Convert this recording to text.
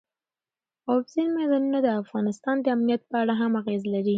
اوبزین معدنونه د افغانستان د امنیت په اړه هم اغېز لري.